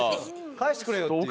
返してくれよっていう。